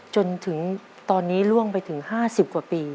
จนถึงตอนนี้ล่วงไปถึง๕๐กว่าปี